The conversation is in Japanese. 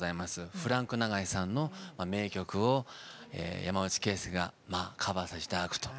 フランク永井さんの名曲を山内惠介がカバーさせていただくと。